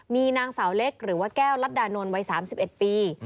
มีนางสาวเล็กหรือว่าแก้วรัฐดานนท์วัย๓๑ปี